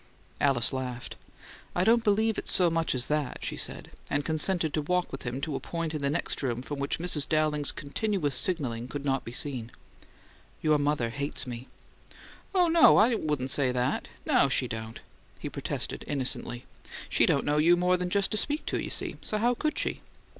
Alice laughed. "I don't believe it's so much that," she said, and consented to walk with him to a point in the next room from which Mrs. Dowling's continuous signalling could not be seen. "Your mother hates me." "Oh, no; I wouldn't say that. No, she don't," he protested, innocently. "She don't know you more than just to speak to, you see. So how could she?"